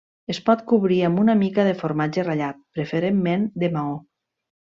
Es pot cobrir amb una mica de formatge ratllat, preferentment de Maó.